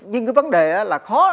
nhưng cái vấn đề là khó